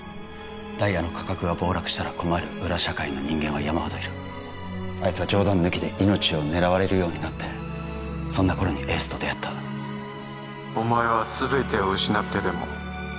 ダイヤの価格が暴落したら困る裏社会の人間は山ほどいるあいつは冗談抜きで命を狙われるようになってそんな頃にエースと出会ったお前はすべてを失ってでも